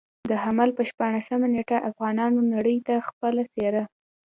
د حمل پر شپاړلسمه نېټه افغانانو نړۍ ته خپله څېره.